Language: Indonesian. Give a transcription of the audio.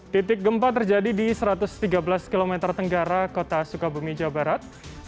titik gempa terjadi di satu ratus tiga belas km tenggara kota sukabumi jawa barat